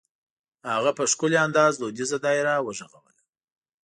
هغه په ښکلي انداز دودیزه دایره وغږوله.